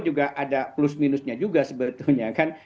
juga ada plus minusnya juga sebetulnya kan